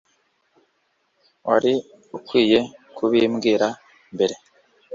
wari ukwiye kubimbwira mbere